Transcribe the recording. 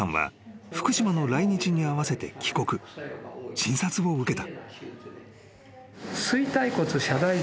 ［診察を受けた］